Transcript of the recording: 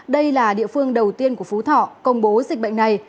đây là địa phương đầu tiên của phú thọ công bố dịch bệnh này